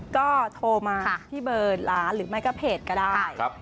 ก็โทรมาที่เบอร์ร้านถึงจากเทจก็ได้